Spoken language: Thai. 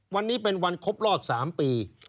วันนี้เป็นวันครบรอบ๓ปี